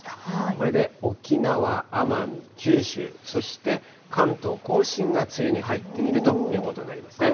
これで沖縄、奄美、九州、そして関東甲信が梅雨に入っているということになりますね。